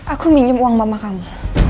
aku minjem uang mama kamu